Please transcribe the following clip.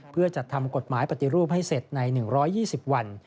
เพื่อจัดทำกฎหมายปฏิรูปให้เสร็จใน๑๒๐วัน